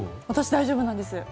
私、大丈夫なんです。